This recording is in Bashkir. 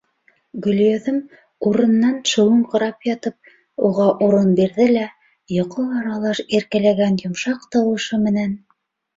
Гөлйөҙөм, урынынан шыуыңҡырап ятып, уға урын бирҙе лә, йоҡо аралаш иркәләгән йомшаҡ тауышы менән: